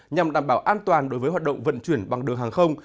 nhằm đảm bảo an toàn đối với hoạt động vận chuyển bằng đường hàng không